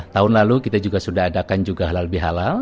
tahun lalu kita juga sudah adakan juga halal bihalal